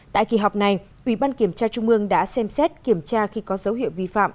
tại kỳ họp này ủy ban kiểm tra trung ương đã xem xét kiểm tra khi có dấu hiệu vi phạm